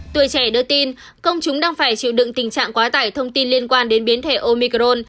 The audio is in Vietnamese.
tuổi trẻ đưa tin công chúng đang phải chịu đựng tình trạng quá tải thông tin liên quan đến biến thể omicron